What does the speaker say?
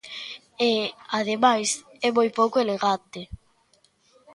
E, ademais, é moi pouco elegante.